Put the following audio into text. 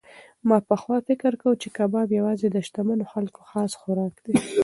ما پخوا فکر کاوه چې کباب یوازې د شتمنو خلکو خاص خوراک دی.